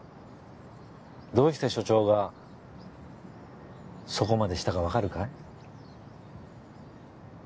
どうして署長がそこまでしたかわかるかい？